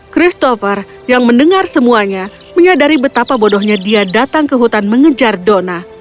christopher yang mendengar semuanya menyadari betapa bodohnya dia datang ke hutan mengejar dona